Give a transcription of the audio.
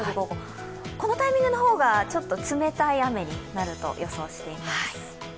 このタイミングの方がちょっと冷たい雨になると予想しています。